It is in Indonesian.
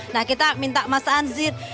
nah kita minta mas anzir